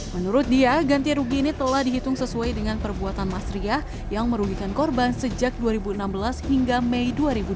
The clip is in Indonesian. menurut dia ganti rugi ini telah dihitung sesuai dengan perbuatan mas riah yang merugikan korban sejak dua ribu enam belas hingga mei dua ribu dua puluh